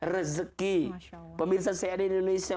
rezeki pemirsa saya di indonesia